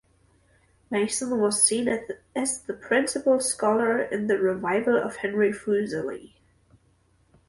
Mason was seen as the principal scholar in the revival of Henry Fuseli.